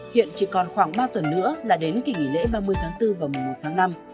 hiện chỉ còn khoảng ba tuần nữa là đến kỷ nghỉ lễ ba mươi tháng bốn và mùa một tháng năm